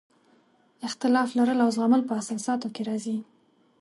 اختلاف لرل او زغمل په اساساتو کې راځي.